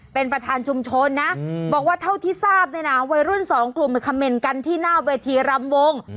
เป็นประธานชุมชนนะบอกว่าเท่าที่ทราบเนี่ยนะวัยรุ่นสองกลุ่มไปคำเมนต์กันที่หน้าเวทีรำวง